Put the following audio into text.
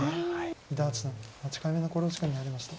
伊田八段８回目の考慮時間に入りました。